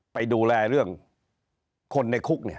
ไปดูแลเรื่องคนในคุก